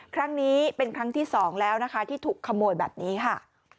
ครั้งนี้เป็นครั้งที่สองแล้วนะคะที่ถูกขโมยแบบนี้ค่ะ